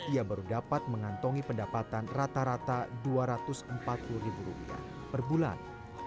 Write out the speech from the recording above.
ia baru dapat mengantongi pendapatan rata rata rp dua ratus empat puluh ribu rupiah per bulan